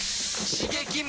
刺激！